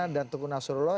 dan tunggu nasrullah